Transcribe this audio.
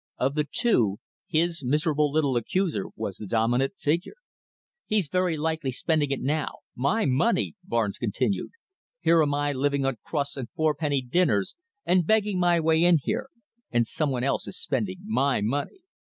Of the two, his miserable little accuser was the dominant figure. "He's very likely spending it now my money!" Barnes continued. "Here am I living on crusts and four penny dinners, and begging my way in here, and some one else is spending my money.